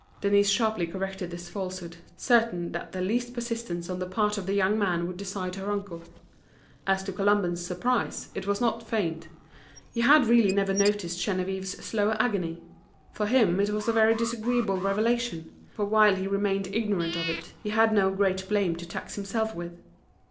Denise sharply corrected this falsehood, certain that the least persistence on the part of the young man would decide her uncle. As to Colomban's surprise, it was not feigned; he had really never noticed Geneviève's slow agony. For him it was a very disagreeable revelation; for while he remained ignorant of it, he had no great blame to tax himself with.